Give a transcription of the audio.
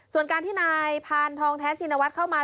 ส่วนการที่นายพานทองแท้ชินวัฒน์เข้ามา